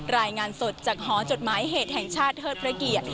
รายงานสดจากหอจดหมายเหตุแห่งชาติเทิดพระเกียรติ